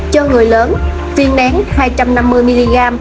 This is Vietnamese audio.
cho người lớn viên nén hai trăm năm mươi mg